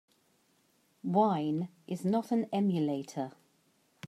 Wine is not an emulator.